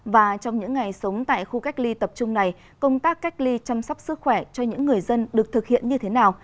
và trong những ngày sống tại khu cách ly tập trung này công tác cách ly chăm sóc sức khỏe cho những người dân được thực hiện như thế nào